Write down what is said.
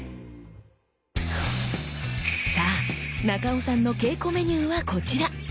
さあ中尾さんの稽古メニューはこちら！